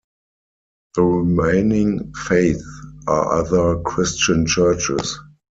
The remaining faiths are other Christian Churches.